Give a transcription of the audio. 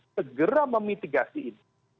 segera memitigasi ini